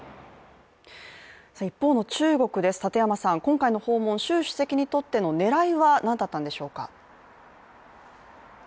一方の中国です、立山さん、今回の訪問、習主席にとっての狙いは何だったんでしょうか。